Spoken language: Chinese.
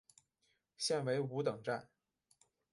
现为五等站。